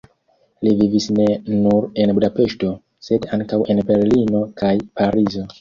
Li vivis ne nur en Budapeŝto, sed ankaŭ en Berlino kaj Parizo.